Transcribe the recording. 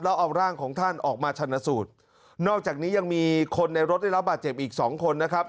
แล้วเอาร่างของท่านออกมาชันสูตรนอกจากนี้ยังมีคนในรถได้รับบาดเจ็บอีกสองคนนะครับ